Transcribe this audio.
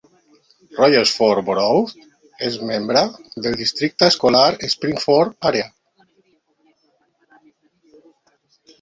Royersford Borough és membre del districte escolar Spring-Ford Area.